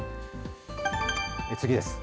次です。